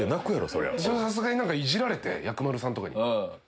それはさすがにいじられて薬丸さんとかに。